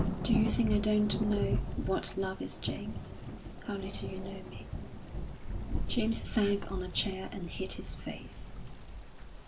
"Do you think I don't know what love is, James? How little you know me." James sank on a chair and hid his face.